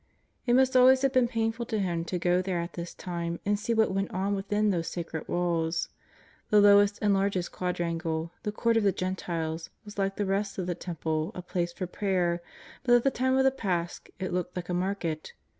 It must always have been painful to Him to go there at this time and see what went on within those sacred walls. The lowest and largest quadrangle, the Court of the Gentiles, was like the rest of the Temple, a place for prayer, but at the time of tlie Pasch it looked like a market.